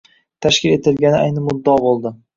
Tashkil etilgani ayni muddao bo‘ldi.